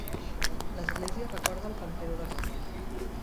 L'església recorda el Panteó de Roma.